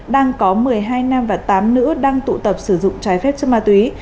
đang có một mươi hai nam và tám nữ đang tụ tập sử dụng trái phép chất ma túy